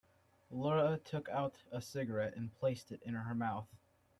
Laura took out a cigarette and placed it in her mouth.